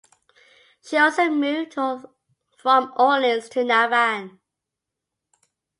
She also moved from Orleans to Navan.